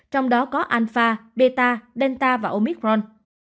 trong đó có alpha beta delta và omicron